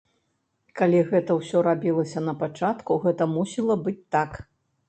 Калі гэта ўсё рабілася на пачатку, гэта мусіла быць так.